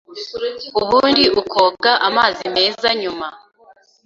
ubundi ukoga amazi meza nyuma